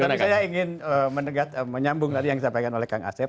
tapi saya ingin menyambung tadi yang disampaikan oleh kang asep